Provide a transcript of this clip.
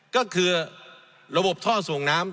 ก็คือระบบท่อส่งน้ำ